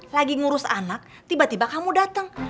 lagi ngurus anak tiba tiba kamu datang